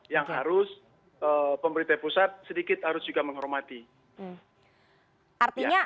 yang harus pemerintah pusat sedikit harus juga menghormati